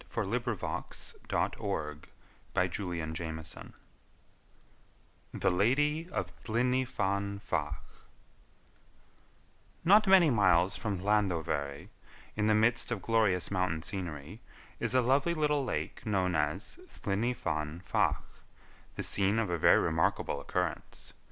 [Illustration: The Roche Rocks] THE LADY OF LLYN Y FAN FACH Not many miles from Llandovery, in the midst of glorious mountain scenery, is a lovely little lake known as Llyn y Fan Fach, the scene of a very remarkable occurrence.